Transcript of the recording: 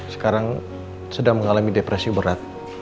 sekarang sedang mengalami depresi berat